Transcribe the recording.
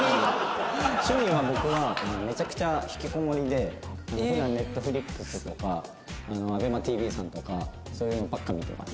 趣味は僕はめちゃくちゃひきこもりで普段ＮｅｔｆｌｉｘとかＡｂｅｍａＴＶさんとかそういうのばっか見てます。